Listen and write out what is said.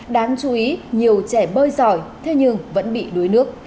đáng chú ý nhiều trẻ bơi giỏi thế nhưng vẫn bị đuối nước